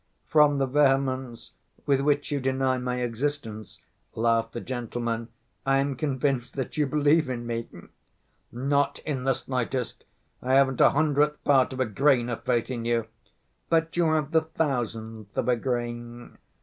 "From the vehemence with which you deny my existence," laughed the gentleman, "I am convinced that you believe in me." "Not in the slightest! I haven't a hundredth part of a grain of faith in you!" "But you have the thousandth of a grain.